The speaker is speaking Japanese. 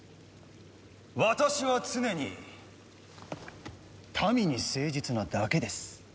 私は常に民に誠実なだけです。